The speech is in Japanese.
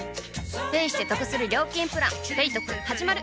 ペイしてトクする料金プラン「ペイトク」始まる！